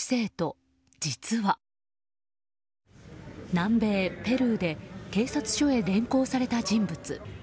南米ペルーで警察所へ連行された人物。